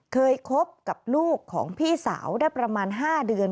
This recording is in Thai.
คบกับลูกของพี่สาวได้ประมาณ๕เดือน